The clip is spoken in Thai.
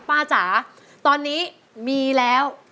จ๋าตอนนี้มีแล้ว